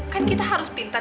kan kita harus pinter